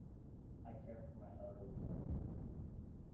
I care for my elderly mother.